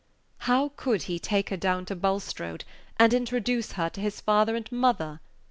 "How could he take her down to Bulstrode, and introduce her to his father and mother?"